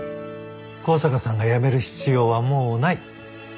向坂さんが辞める必要はもうない。